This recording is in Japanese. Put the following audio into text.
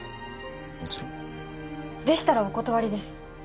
もちろんでしたらお断りです